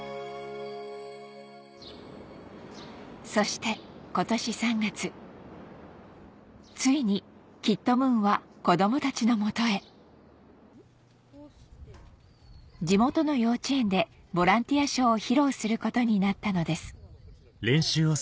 そして今年３月ついにキットムーンは子供たちの元へ地元の幼稚園でボランティアショーを披露することになったのです